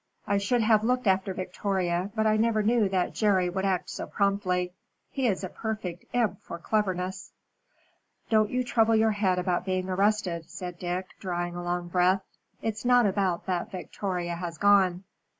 I should have looked after Victoria, but I never knew that Jerry would act so promptly. He is a perfect imp for cleverness." "Don't you trouble your head about being arrested," said Dick, drawing a long breath. "It's not about that Victoria has gone."